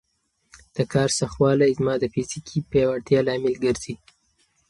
د کار سختوالی زما د فزیکي پیاوړتیا لامل ګرځي.